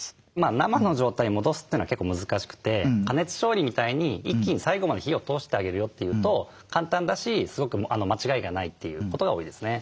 生の状態に戻すというのは結構難しくて加熱調理みたいに一気に最後まで火を通してあげるよっていうと簡単だしすごく間違いがないということが多いですね。